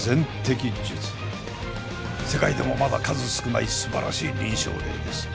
世界でもまだ数少ない素晴らしい臨床例です。